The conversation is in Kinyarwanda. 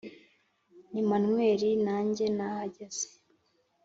ni manweri nange nahageze